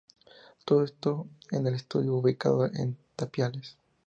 Todo esto en el estadio, ubicado en Tapiales.